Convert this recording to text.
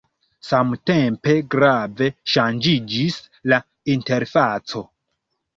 Samtempe grave ŝanĝiĝis la interfaco.